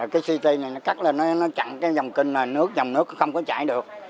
cái ct này nó cắt lên nó chặn cái dòng kinh là nước dòng nước nó không có chạy được